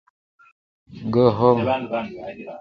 It is said to manifest itself by appearing in dreams.